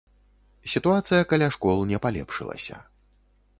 Сітуацыя каля школ не палепшылася.